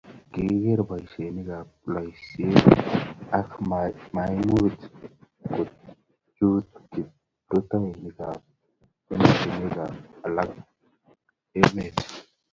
kikiker boisionik ab loiset aku maimuch kochut kiprutoinikab emotinwek alak emet